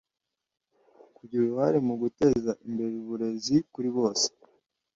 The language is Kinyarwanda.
kugira uruhare mu guteza imbere uburezi kuri bose